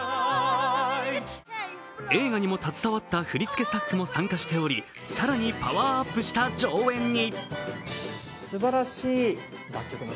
映画にも携わった振り付けスタッフも参加しており更にパワーアップした上演に。